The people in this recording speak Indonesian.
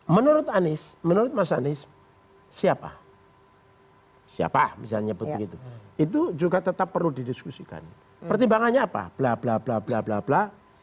menurut anies menurut mas anies siapa siapa misalnya begitu itu juga tetap perlu didiskusikan pertimbangannya apa bla bla bla bla bla bla